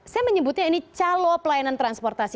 saya menyebutnya ini calo pelayanan transportasi